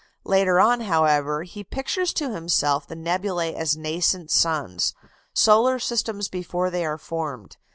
Later on, however, he pictures to himself the nebulæ as nascent suns: solar systems before they are formed.